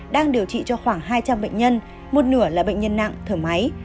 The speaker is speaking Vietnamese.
đang điều trị cho khoảng hai trăm linh bệnh nhân một nửa là bệnh nhân nặng thở máy